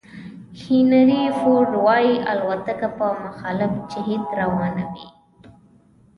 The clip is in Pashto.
هینري فورد وایي الوتکه په مخالف جهت روانه وي.